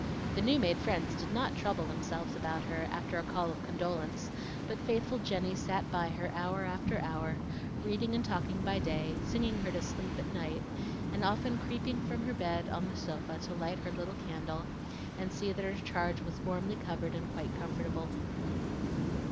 The new made friends did not trouble themselves about her after a call of condolence, but faithful Jenny sat by her hour after hour, reading and talking by day, singing her to sleep at night, and often creeping from her bed on the sofa to light her little candle and see that her charge was warmly covered and quite comfortable.